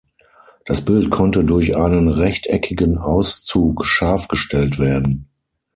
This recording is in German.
Das Bild konnte durch einen rechteckigen Auszug scharf gestellt werden.